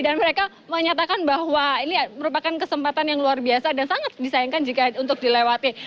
dan mereka menyatakan bahwa ini merupakan kesempatan yang luar biasa dan sangat disayangkan jika untuk dilewati